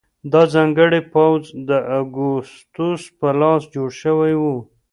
دا ځانګړی پوځ د اګوستوس په لاس جوړ شوی و.